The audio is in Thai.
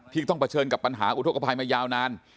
ต้องเผชิญกับปัญหาอุทธกภัยมายาวนาน